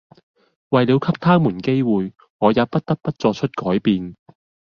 為了給他們機會、我也不得不作出改變！